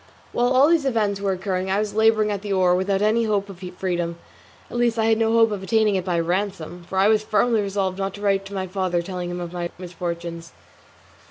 While all these events were occurring, I was labouring at the oar without any hope of freedom; at least I had no hope of obtaining it by ransom, for I was firmly resolved not to write to my father telling him of my misfortunes.